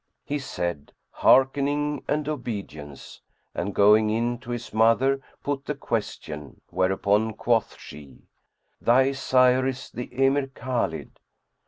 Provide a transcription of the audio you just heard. He said, "Hearkening and obedience," and, going in to his mother put the question; whereupon quoth she, "Thy sire is the Emir Khбlid!"